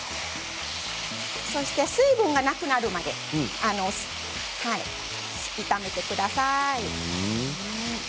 そして水分がなくなるまで炒めてください。